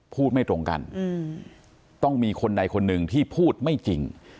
พูดไม่ตรงกันต้องมีคนใดคนหนึ่งที่พูดไม่จริง